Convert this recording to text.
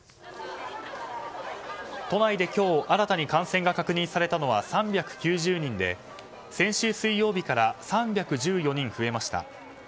都内で今日新たに感染が確認されたのは３９０人で先週水曜日から３１４人増えました。